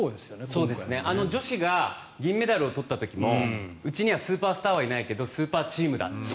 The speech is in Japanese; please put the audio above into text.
女子が銀メダルを取った時にもうちにはスーパースターはいないけどスーパーチームだと。